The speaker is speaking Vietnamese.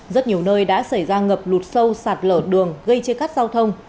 rất nhiều nơi đã xảy ra ngập lụt sâu sạt lở đường gây chia cắt giao thông